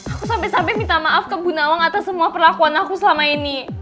aku sampai sampai minta maaf ke bu nawang atas semua perlakuan aku selama ini